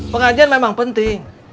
pengajian memang penting